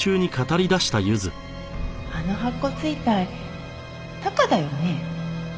あの白骨遺体タカだよね？